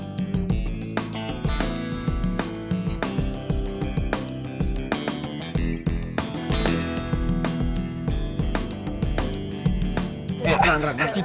dia mau diversifikasi itu